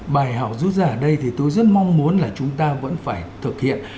bài học rút ra ở đây thì tôi rất mong muốn là chúng ta vẫn phải thực hiện